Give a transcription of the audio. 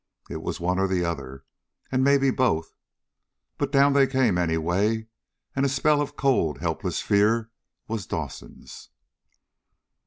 It was one or the other, and maybe both. But down they came, anyway, and a spell of cold, helpless fear was Dawson's.